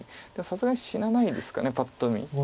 さすがに死なないですかパッと見。